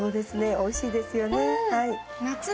おいしいですよね